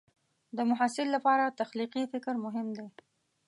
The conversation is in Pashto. د محصل لپاره تخلیقي فکر مهم دی.